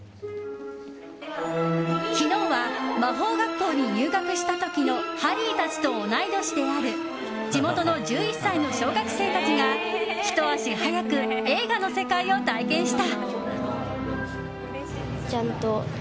昨日は魔法学校に入学した時のハリーたちと同い年である地元の１１歳の小学生たちがひと足早く映画の世界を体験した。